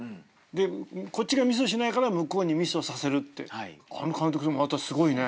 でこっちがミスをしないから向こうにミスをさせるってあの監督またすごいね。